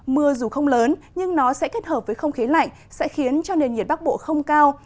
mưa dù không lớn nhưng nó sẽ kết hợp với không khí lạnh sẽ khiến cho nền nhiệt bắc bộ không cao